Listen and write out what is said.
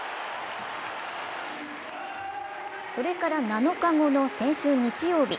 それから７日後の先週日曜日。